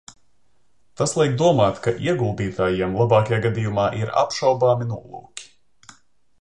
Tas liek domāt, ka ieguldītājiem labākajā gadījumā ir apšaubāmi nolūki.